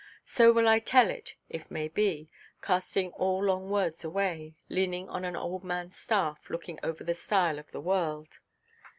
So will I tell it, if may be, casting all long words away, leaning on an old manʼs staff, looking over the stile of the world.